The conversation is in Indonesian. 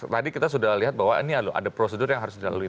tadi kita sudah lihat bahwa ini ada prosedur yang harus dilalui